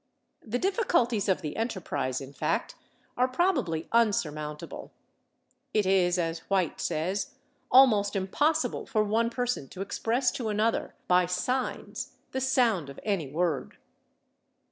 The difficulties of the enterprise, in fact, are probably unsurmountable. It is, as White says, "almost impossible for one person to express to another by signs the [Pg168] sound of any word."